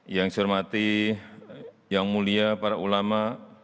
yang saya hormati yang mulia para ulama